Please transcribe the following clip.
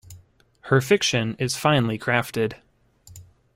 Her fiction is finely crafted.